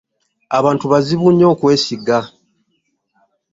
Abantu bazibu nnyo okwesiga.